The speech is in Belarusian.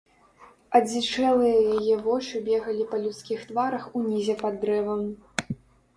Адзічэлыя яе вочы бегалі па людскіх тварах унізе пад дрэвам.